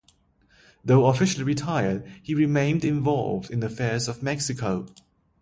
Though officially retired, he remained involved in the affairs of Mexico.